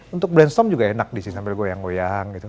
untuk brainstorm juga enak di sini sampai goyang goyang gitu